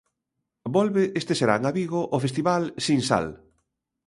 Volve este serán a Vigo o Festival Sinsal.